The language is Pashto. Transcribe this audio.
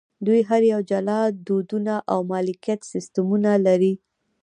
دوی هر یو جلا دودونه او مالکیت سیستمونه لري.